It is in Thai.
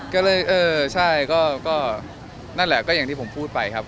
ก็เลยเออใช่ก็นั่นแหละก็อย่างที่ผมพูดไปครับ